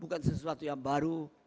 bukan sesuatu yang baru